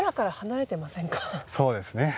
そうですね。